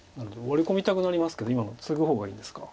ワリ込みたくなりますけど今のツグ方がいいんですか。